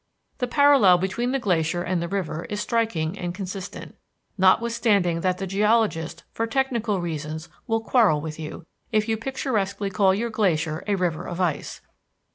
The parallel between the glacier and the river is striking and consistent, notwithstanding that the geologist for technical reasons will quarrel with you if you picturesquely call your glacier a river of ice.